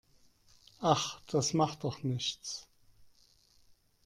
Ach, das macht doch nichts.